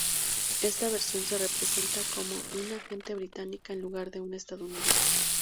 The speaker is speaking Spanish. Esta versión se representa como una agente británica en lugar de un estadounidense.